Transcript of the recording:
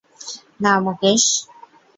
না, মুকেশ।